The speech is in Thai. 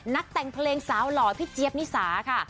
แต่งเพลงสาวหล่อพี่เจี๊ยบนิสาค่ะ